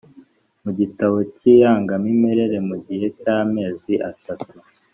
mu gitabo cy irangamimere mu gihe cy amezi atatu